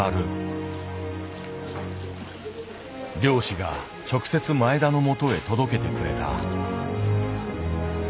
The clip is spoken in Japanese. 漁師が直接前田のもとへ届けてくれた。